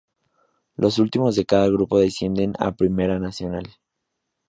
Los últimos de cada grupo descienden a Primera Nacional.